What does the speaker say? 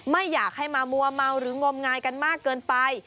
ไม่อยากให้มามัวเมาหรืองมงายกันมากเกินไป